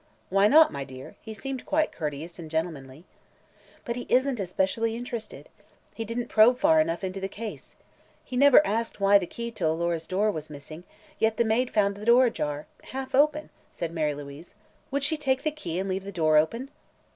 "Why not, my dear? He seemed quite courteous and gentlemanly." "But he isn't especially interested. He didn't probe far enough into the case. He never asked why the key to Alora's door was missing, yet the maid found the door ajar half open," said Mary Louise. "Would she take the key and leave the door open?"